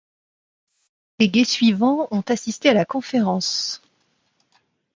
Les délégués suivants ont assisté à la conférence.